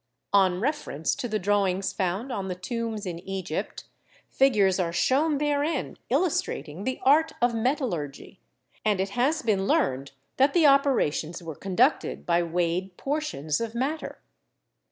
On reference to the drawings found on the tombs in Egypt, figures are shown therein illustrating the art of metallurgy, and it has been learned that the operations were conducted by weighed portions of matter.